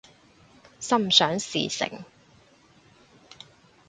心想事成